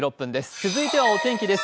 続いてはお天気です。